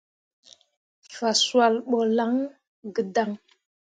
Fah swal ɓo lan gǝdaŋ.